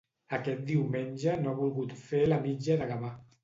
Aquest diumenge no ha volgut fer la Mitja de Gavà.